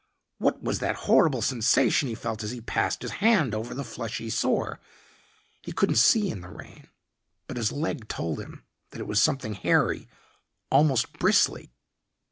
What was that horrible sensation he felt as he passed his hand over the fleshy sore? He couldn't see in the rain, but his leg told him that it was something hairy, almost bristly.